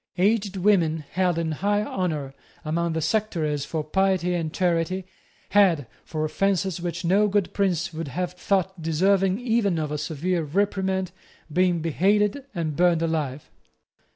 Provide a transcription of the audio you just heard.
Aged women held in high honour among the sectaries for piety and charity had, for offences which no good prince would have thought deserving even of a severe reprimand, been beheaded and burned alive.